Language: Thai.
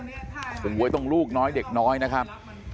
กลุ่มบ๊วยตรงลูกน้อยเด็กน้อยนะครับ